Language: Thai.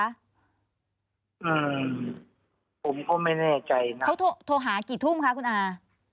อืมผมก็ไม่แน่ใจนะเขาโทรหากี่ทุ่มคะคุณอา